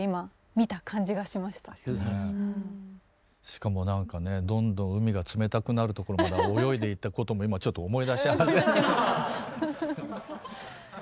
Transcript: しかも何かねどんどん海が冷たくなるところまで泳いでいったことも今ちょっと思い出し始めて。